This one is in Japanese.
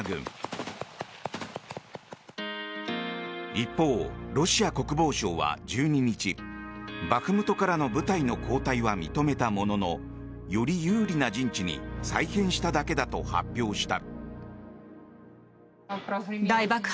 一方、ロシア国防省は１２日バフムトからの部隊の後退は認めたもののより有利な陣地に再編しただけだと発表した。